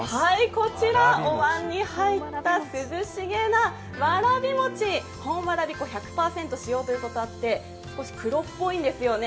涼しげなわらび餅、本わらび粉１００％使用ということもあって、少し黒っぽいんですよね。